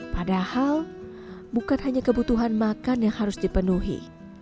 padahal bukan hanya kebutuhan makan yang harus dipenuhi